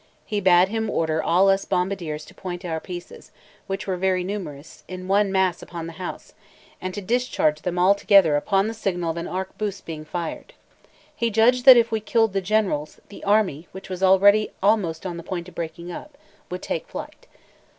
He bade him order all us bombardiers to point our pieces, which were very numerous, in one mass upon the house, and to discharge them all together upon the signal of an arquebuse being fired. He judged that if we killed the generals, the army, which was already almost on the point of breaking up, would take flight.